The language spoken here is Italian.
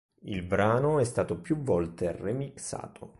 Il brano è stato più volte remixato.